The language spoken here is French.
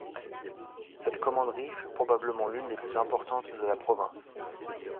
Cette commanderie fut probablement l'une des plus importantes de la province.